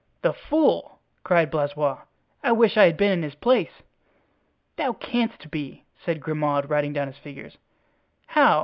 "The fool!" cried Blaisois, "I wish I had been in his place." "Thou canst be," said Grimaud, writing down his figures. "How?"